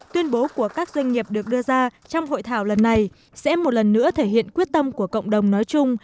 tuyên bố của các doanh nghiệp được đưa ra trong hội thảo lần này sẽ một lần nữa thể hiện quyết tâm của cộng đồng nói chung